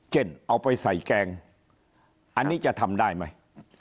เอาไปใส่แกงอันนี้จะทำได้ไหม